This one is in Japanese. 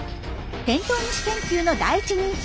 テントウムシ研究の第一人者